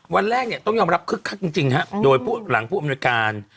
วันแรกต้องยอมรับครึกครักจริงครับโดยผู้หลังผู้อำนวยการ